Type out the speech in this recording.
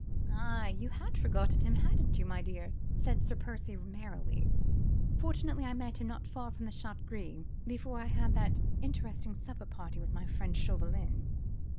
"Aye! you had forgotten him, hadn't you, m'dear?" said Sir Percy, merrily. "Fortunately, I met him, not far from the 'Chat Gris,' before I had that interesting supper party, with my friend Chauvelin.